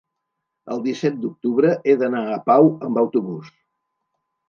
el disset d'octubre he d'anar a Pau amb autobús.